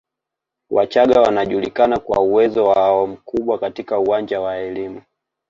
Wachagga wanajulikana kwa uwezo wao mkubwa katika uwanja wa elimu